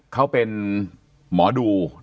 เขาเป็นหมอดู